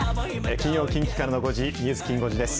金曜近畿からの５時、ニュースきん５時です。